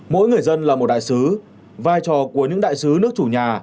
mỗi người dân là một đại sứ vai trò của những đại sứ nước chủ nhà